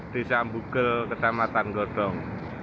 desa ambugel kecamatan godong